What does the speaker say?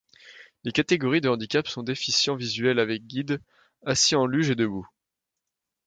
Les catégories de handicaps sont déficient visuel avec guide, assis en luge et debout.